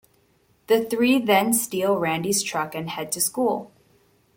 The three then steal Randy's truck and head to the school.